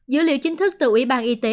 dữ liệu chính thức từ ủy ban y tế